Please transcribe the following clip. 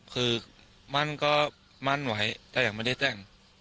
คือมั่นก็มั่นไว้แต่ยังไม่ได้แจ้ง